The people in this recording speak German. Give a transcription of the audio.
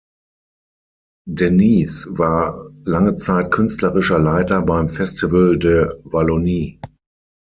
De Nys war lange Zeit künstlerischer Leiter beim Festival de Wallonie.